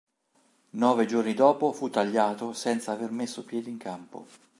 Nove giorni dopo fu tagliato senza aver messo piede in campo.